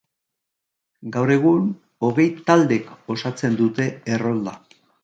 Gaur egun, hogei taldek osatzen dute errolda.